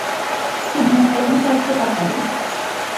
তিনি মায়ের সাথে কাটান।